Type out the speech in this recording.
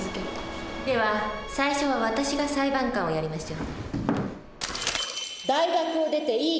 では最初は私が裁判官をやりましょう。